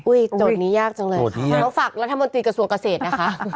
อุ้ยตรงนี้ยากจังเลยเราฝากรัฐบนตรีกระทรวงเกษตรนะคะ